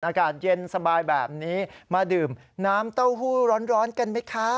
อากาศเย็นสบายแบบนี้มาดื่มน้ำเต้าหู้ร้อนกันไหมคะ